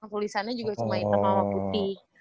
tulisannya juga cuma hitam sama putih